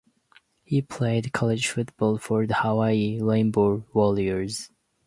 He played college football for the Hawaii Rainbow Warriors.